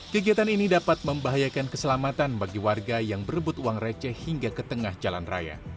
kegiatan ini dapat membahayakan keselamatan bagi warga yang berebut uang receh hingga ke tengah jalan raya